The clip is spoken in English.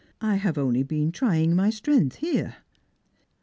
I have only been trying my strength here."